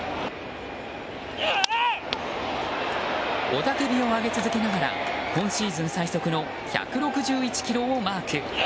雄たけびを上げ続けながら今シーズン最速の１６１キロをマーク。